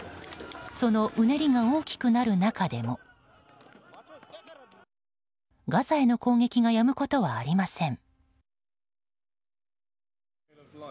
そのうねりが大きくなる中でもガザへの攻撃がやむことはありません。